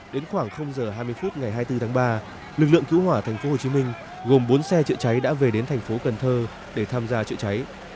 đến khoảng h hai mươi phút ngày hai mươi bốn tháng ba lực lượng cứu hỏa thành phố hồ chí minh gồm bốn xe trợ cháy đã về đến thành phố cần thơ để tham gia trợ cháy